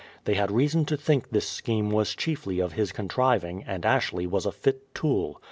They had reason to think this scheme was chiefly of his contriving, and Ashley was a fit tool.